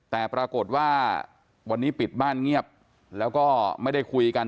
แต่ปรากฏว่าวันนี้ปิดบ้านเงียบแล้วก็ไม่ได้คุยกัน